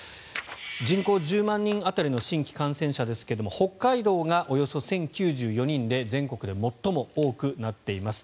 人口１０万人当たりの新規感染者ですが北海道がおよそ１０９４人で全国で最も多くなっています。